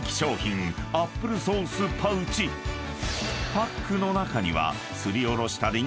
［パックの中には］